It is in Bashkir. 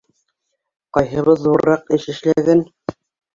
Ҡдйһыбыҙ ҙурыраҡ эш эшләгән?